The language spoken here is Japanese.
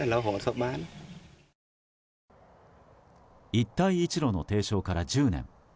一帯一路の提唱から１０年。